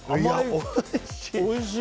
おいしい！